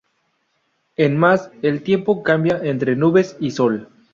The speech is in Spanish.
En más, el tiempo cambia entre nubes y sol.